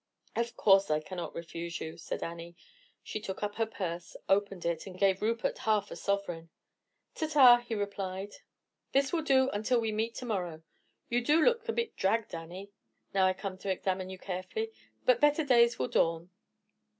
"Of course I cannot refuse you," said Annie. She took up her purse, opened it, and gave Rupert half a sovereign. "Ta ta," he replied; "this will do until we meet to morrow. You do look a bit dragged, Annie, now I come to examine you carefully; but better days will dawn."